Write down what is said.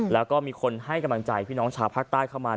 แล้วก็มีคนให้กำลังใจพี่น้องชาวภาคใต้เข้ามา